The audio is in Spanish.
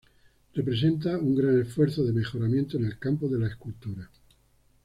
Representa un gran esfuerzo de mejoramiento en el campo de la escultura.